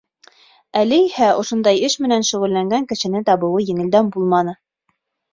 Әле иһә ошондай эш менән шөғөлләнгән кешене табыуы еңелдән булманы.